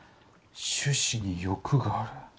種子に翼がある。